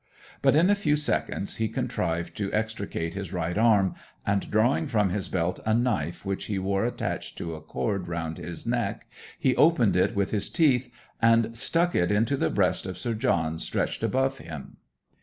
But in a few seconds he contrived to extricate his right arm, and drawing from his belt a knife which he wore attached to a cord round his neck he opened it with his teeth, and struck it into the breast of Sir John stretched above him.